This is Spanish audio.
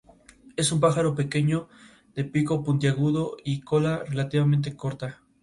Una muchacha llega a Nueva York y se abre camino como modelo.